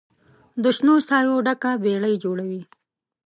د شنو سایو ډکه بیړۍ جوړوي